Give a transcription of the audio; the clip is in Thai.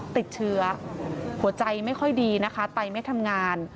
ติดเชื้อหัวใจไม่ค่อยดีนะคะไตไม่ทำงาน